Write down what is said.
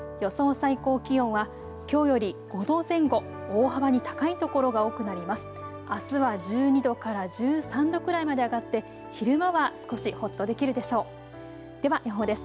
最高気温はきょうより５度前後、大幅に高い所が多くなります。